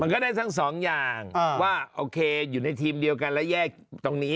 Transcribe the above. ก็ได้ทั้งสองอย่างว่าโอเคอยู่ในทีมเดียวกันแล้วแยกตรงนี้